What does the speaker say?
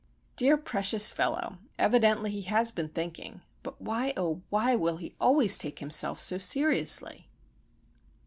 Dear, precious fellow! Evidently he has been thinking,—but, why, oh why, will he always take himself so seriously?